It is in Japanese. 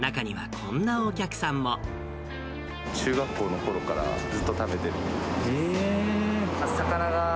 中学校のころからずっと食べてる。